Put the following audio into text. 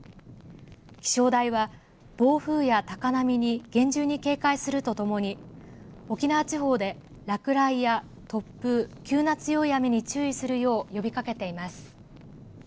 気象台は暴風や高波に厳重に警戒するとともに沖縄地方で、落雷や突風急な強い雨に注意するよう呼びかけています。